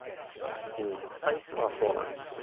うん最初はそうなんですよ。